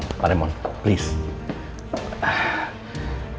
tolong pak remon sebentar pak remon